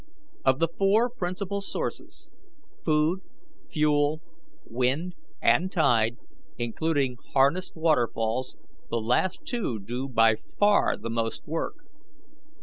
Of the four principal sources food, fuel, wind, and tide including harnessed waterfalls, the last two do by far the most work.